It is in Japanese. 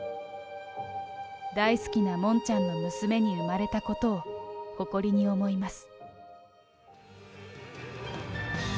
大好きなもんちゃんの娘に生まれたことを誇りに思います。